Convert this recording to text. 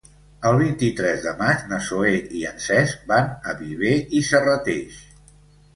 El vint-i-tres de maig na Zoè i en Cesc van a Viver i Serrateix.